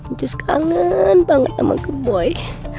njus kangen banget sama gemoy